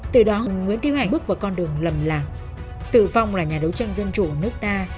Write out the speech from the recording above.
từ đó nguyễn tiến hải bước vào con đường lầm lạc tự phong là nhà đấu tranh dân chủ nước ta